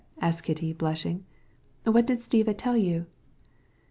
asked Kitty, blushing. "What was it Stiva told you?"